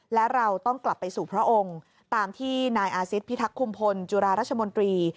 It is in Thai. และเราต้องกลับไปสู่พระองค์ตามที่นายอาซิตพิทักษ์คุมพลจุฬาราชมนตรี